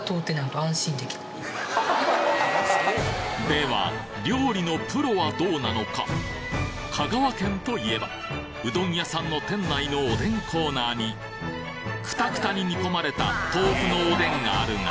では料理のプロはどうなのか香川県といえばうどん屋さんの店内のおでんコーナーにくたくたに煮込まれた豆腐のおでんがあるが